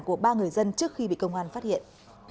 của ba người dân trước khi bị công an phát hiện